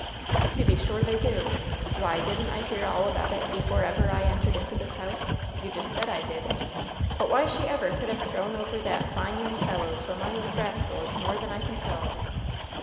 "To be sure they do. Why, didn't I hear all about it before ever I entered into this house? You just bet I did. But why she ever could have thrown over that fine young fellow for my old rascal is more than I can tell."